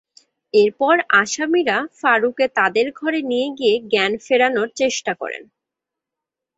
এরপর আসামিরা ফারুকে তাঁদের ঘরে নিয়ে গিয়ে জ্ঞান ফেরানোর চেষ্টা করেন।